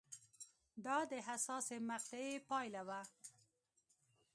دا د حساسې مقطعې پایله وه